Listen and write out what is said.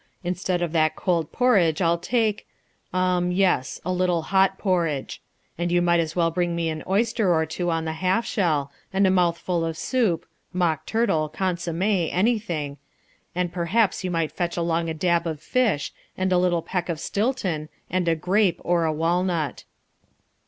Instead of that cold porridge I'll take um, yes a little hot partridge. And you might as well bring me an oyster or two on the half shell, and a mouthful of soup (mock turtle, consomme, anything), and perhaps you might fetch along a dab of fish, and a little peck of Stilton, and a grape, or a walnut."